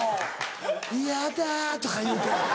「ヤダ」とか言うて。